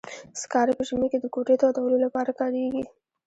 سکاره په ژمي کې د کوټې تودولو لپاره کاریږي.